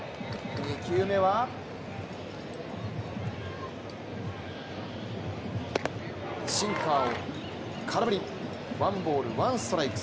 ２球目はシンカーを空振りワンボールワンストライク。